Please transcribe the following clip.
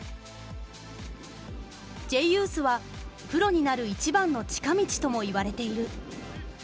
Ｊユースはプロになる一番の近道とも言われている。